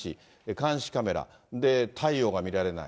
監視カメラ、太陽が見られない。